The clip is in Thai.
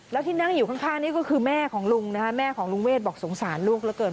แล้วที่นั่งอยู่ข้างนี่ก็คือแม่ของลุงนะคะแม่ของลุงเวทบอกสงสารลูกเหลือเกิน